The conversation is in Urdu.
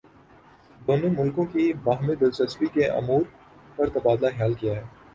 دونوں ملکوں کی باہمی دلچسپی کے امور پر تبادلہ خیال کیا ہے